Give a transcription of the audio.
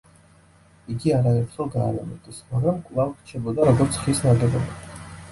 იგი არაერთხელ გაარემონტეს, მაგრამ კვლავ რჩებოდა, როგორც ხის ნაგებობა.